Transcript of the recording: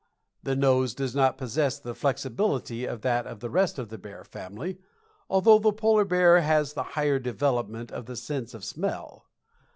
The nose does not possess the flexibility of that of the rest of the bear family, although the polar bear has the higher development of the sense of smell.